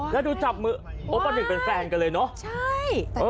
แล้วดูจับมือโอปอล์๑เป็นแฟนกันเลยเนาะ